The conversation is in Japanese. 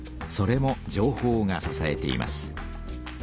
それも情報がささえています。